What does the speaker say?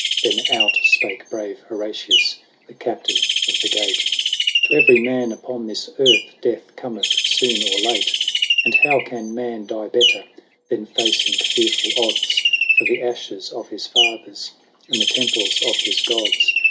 XXVII. Then out spake brave Horatius, The Captain of the gate :" To every man upon this earth Death cometh soon or late. And how can man die better Than facing fearful odds, For the ashes of his fathers And the temples of his Gods, XXVIII.